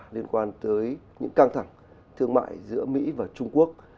liên quan tới những căng thẳng thương mại giữa mỹ và trung quốc